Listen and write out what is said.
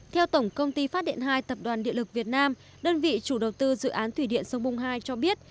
theo tổng công ty phát điện hai tập đoàn điện lực việt nam đơn vị chủ đầu tư dự án thủy điện sông bung hai cho biết